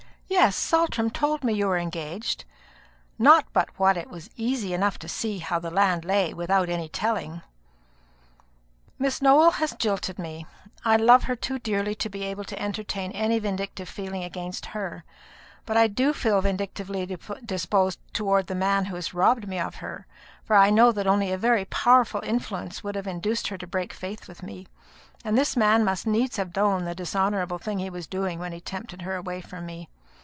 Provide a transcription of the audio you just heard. "Yes, Saltram told me you were engaged; not but what it was easy enough to see how the land lay, without any telling." "Miss Nowell has jilted me. I love her too dearly to be able to entertain any vindictive feeling against her; but I do feel vindictively disposed towards the man who has robbed me of her, for I know that only a very powerful influence would have induced her to break faith with me; and this man must needs have known the dishonourable thing he was doing when he tempted her away from me.